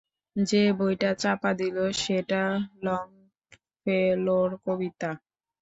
যে বইটা চাপা দিল সেটা লংফেলোর কবিতা।